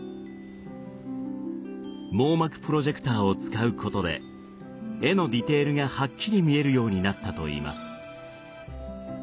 網膜プロジェクターを使うことで絵のディテールがはっきり見えるようになったといいます。